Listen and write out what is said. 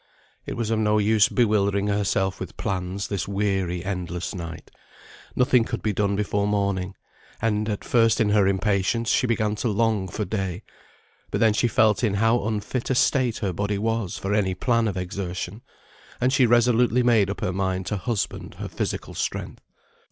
It was of no use bewildering herself with plans this weary, endless night. Nothing could be done before morning: and, at first in her impatience, she began to long for day; but then she felt in how unfit a state her body was for any plan of exertion, and she resolutely made up her mind to husband her physical strength.